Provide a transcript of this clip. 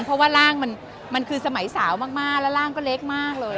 เพราะว่าร่างมันคือสมัยสาวมากแล้วร่างก็เล็กมากเลย